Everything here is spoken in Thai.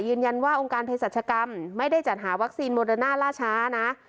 ยืนยันว่าองค์การเพศรัชกรรมไม่ได้จัดหาวัคซีนโมเดอร์น่าล่าช้านะ